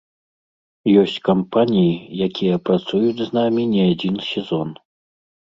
Ёсць кампаніі, якія працуюць з намі не адзін сезон.